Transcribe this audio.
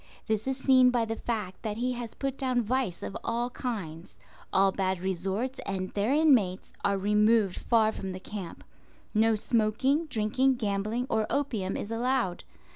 This is seen by the fact that he has put down vice of all kinds. All bad resorts and their inmates are removed far from the camp. No smoking, drinking, gambling, or opium is allowed.